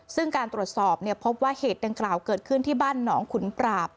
ซึ่งการตรวจสอบพบว่าเหตุดังกล่าวเกิดขึ้นที่บ้านหนองขุนปราบ